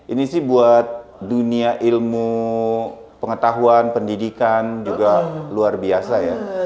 ini sih buat dunia ilmu pengetahuan pendidikan juga luar biasa ya